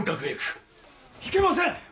いけません！